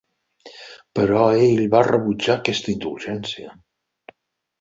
Però ell va rebutjar aquesta indulgència.